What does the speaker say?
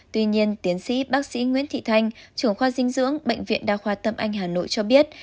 tuy nhiên tiến sĩ bác sĩ nguyễn thị thanh trưởng khoa dinh dưỡng bệnh viện đa khoa tâm anh hà nội cho biết